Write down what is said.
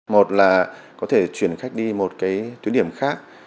một là có thể chuyển khách đi một cái tuyến điểm khác